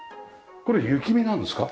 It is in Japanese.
これ雪見なんですか？